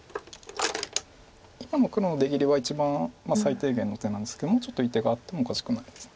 今の黒の出切りは一番最低限の手なんですけどもうちょっといい手があってもおかしくないです。